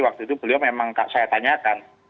waktu itu beliau memang saya tanyakan